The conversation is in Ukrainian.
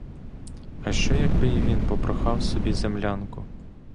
А що, якби й він попрохав собі землянку?